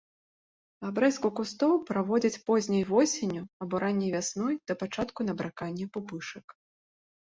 Абрэзку кустоў праводзяць позняй восенню або ранняй вясной да пачатку набракання пупышак.